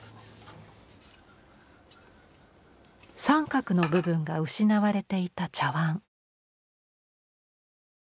三角の部分が失われていた茶碗。